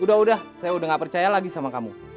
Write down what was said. udah udah saya udah gak percaya lagi sama kamu